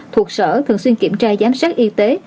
thuộc sở thường xuyên kiểm tra giám sát y tế